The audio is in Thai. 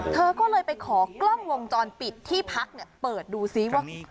เธอก็เลยไปขอกล้องวงจรปิดที่พักเปิดดูซิว่า